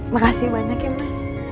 makasih banyak ya mas